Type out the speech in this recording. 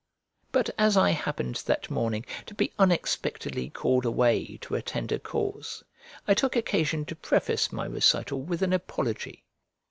But as I happened that morning to be unexpectedly called away to attend a cause, I took occasion to preface my recital with an apology.